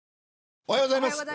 おはようございます。